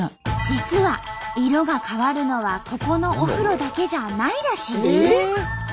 実は色が変わるのはここのお風呂だけじゃないらしい。